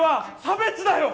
差別だよ！